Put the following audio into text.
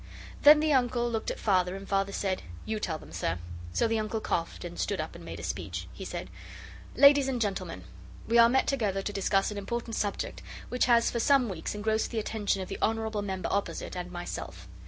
Then the Uncle looked at Father, and Father said, 'You tell them, sir.' So the Uncle coughed and stood up and made a speech. He said 'Ladies and gentlemen, we are met together to discuss an important subject which has for some weeks engrossed the attention of the honourable member opposite and myself.